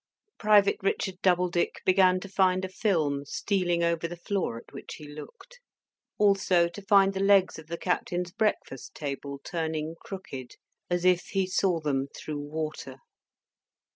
Private Richard Doubledick began to find a film stealing over the floor at which he looked; also to find the legs of the Captain's breakfast table turning crooked, as if he saw them through water.